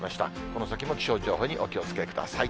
この先も気象情報にお気をつけください。